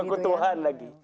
mengaku tuhan lagi